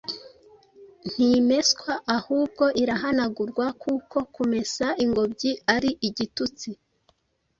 ntimeswa ahubwo irahanagurwa kuko kumesa ingobyi ari igitutsi.